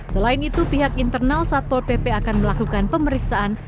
selain itu pihak internal satpol pp akan melakukan pemeriksaan